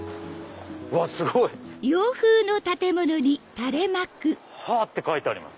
うわっすごい！「覇」って書いてあります。